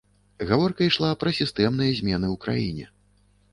Гаворка ішла пра сістэмныя змены ў краіне.